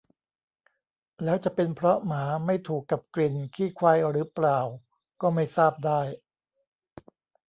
แล้วจะเป็นเพราะหมาไม่ถูกกับกลิ่นขี้ควายหรือเปล่าก็ไม่ทราบได้